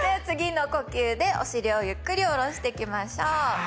次の呼吸でお尻をゆっくり下ろしていきましょう。